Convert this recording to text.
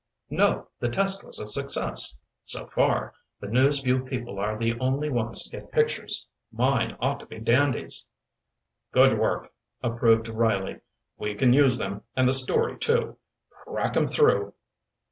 "No, the test was a success. So far, the News Vue people are the only ones to get pictures. Mine ought to be dandies." "Good work!" approved Riley. "We can use them, and the story, too. Crack 'em through."